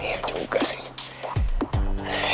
iya juga sih